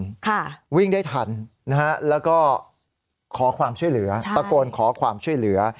ค่ะวิ่งได้ทันนะฮะแล้วก็ขอความช่วยเหลือตะโกนขอความช่วยเหลือ